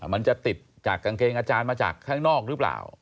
มันจะติดจากกางเกงอาจารย์มาจากข้างนอกหรือเปล่า